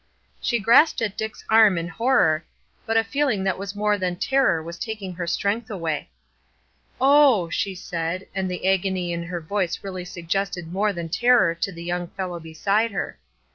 She grasped at Dick's arm in horror, but a feeling that was more than terror was taking her strength away. "Oh!" she said, and the agony in her voice really suggested more than terror to the young fellow beside her.